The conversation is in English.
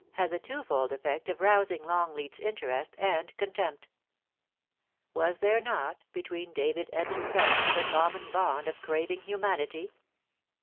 had the two fold effect of rousing Longleat's interest and contempt Was there not between David and himself the common bond of craving humanity?